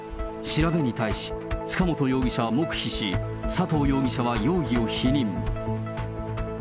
調べに対し、塚本容疑者は黙秘し、佐藤容疑者は容疑を否認。